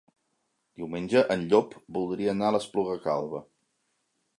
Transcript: Diumenge en Llop voldria anar a l'Espluga Calba.